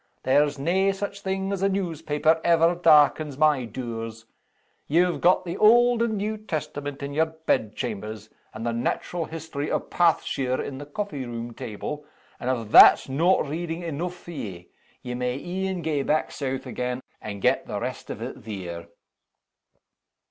There's nae such thing as a newspaper ever darkens my doors. Ye've got the Auld and New Testaments in your bedchambers, and the natural history o' Pairthshire on the coffee room table and if that's no' reading eneugh for ye, ye may een gae back South again, and get the rest of it there."